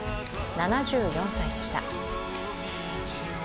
７４歳でした。